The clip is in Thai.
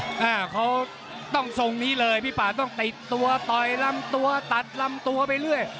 อ่าเขาต้องทรงนี้เลยพี่ป่าต้องติดตัวต่อยลำตัวตัดลำตัวไปเรื่อย